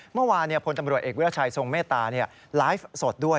เมื่อวานพลตำรวจเอกวิราชัยทรงเมตตาไลฟ์สดด้วย